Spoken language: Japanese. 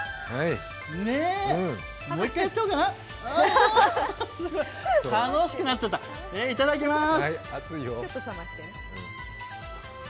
もう１回、やっちゃおうかな、うわあ、すごい楽しくなっちゃった、いただきまーす。